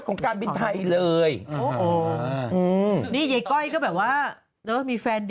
ก่อนหน้านี้ที่ตีปริงปองอ่ะไปแข่งซีเกมอ่ะ